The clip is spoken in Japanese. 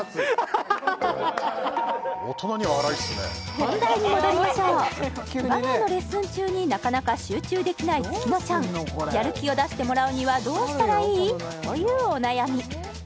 本題に戻りましょうバレエのレッスン中になかなか集中できない月乃ちゃんやる気を出してもらうにはどうしたらいい？というお悩み